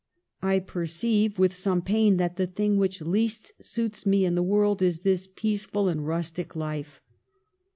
I perceive, with some pain, that the thing which least suits me in the world is this peaceful and rustic life.